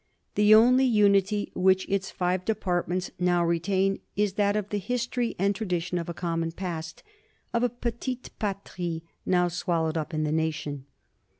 The only unity which its five departments now retain is that of the history and tradition of a common past of a petite patrie now swallowed up in the nation.